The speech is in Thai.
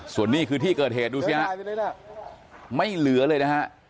ส่วนนี้คือที่เกิดเหตุดูสิฮะไม่เหลือเลยนะฮะ